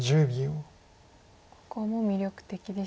ここも魅力的でしたよね。